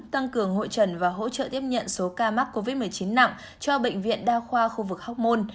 tăng cường hội trần và hỗ trợ tiếp nhận số ca mắc covid một mươi chín nặng cho bệnh viện đa khoa khu vực hóc môn